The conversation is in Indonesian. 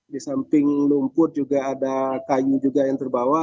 di samping lumpur juga ada kayu juga yang terbawa